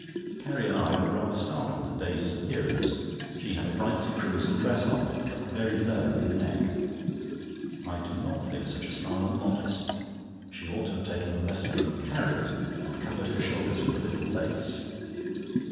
Carrie and I were rather startled at Daisy's appearance. She had a bright crimson dress on, cut very low in the neck. I do not think such a style modest. She ought to have taken a lesson from Carrie, and covered her shoulders with a little lace.